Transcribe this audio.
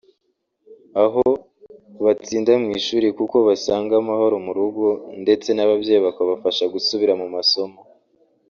aho batsinda mu ishuri kuko basanga amahoro mu rugo ndetse n’ababyeyi bakabafasha gusubira mu masomo